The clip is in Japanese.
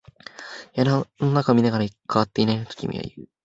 部屋の中を見ながら、変わっていないねと君は言う。